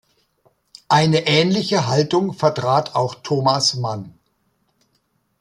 Eine ähnliche Haltung vertrat auch Thomas Mann.